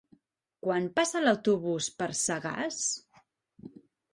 Quan passa l'autobús per Sagàs?